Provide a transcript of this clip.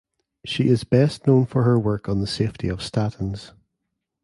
She is best known for her work on the safety of statins.